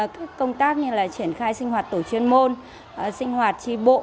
các công tác như là triển khai sinh hoạt tổ chuyên môn sinh hoạt tri bộ